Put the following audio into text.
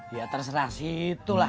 ya terserah situlah